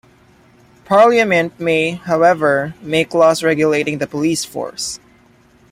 Parliament may, however, make laws regulating the police force.